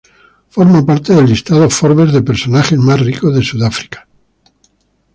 Forma parte del listado Forbes de personajes más ricos de Sudáfrica.